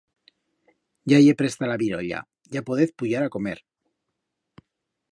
Ya ye presta la birolla ya podez puyar a comer.